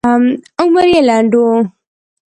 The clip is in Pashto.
عمر یې لنډ و.